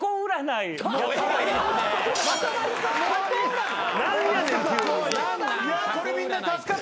いやこれみんな助かったよ